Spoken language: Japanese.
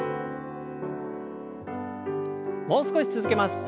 もう少し続けます。